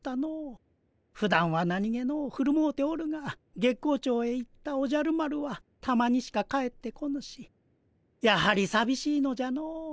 ふだんは何気のうふるもうておるが月光町へ行ったおじゃる丸はたまにしか帰ってこぬしやはりさびしいのじゃの。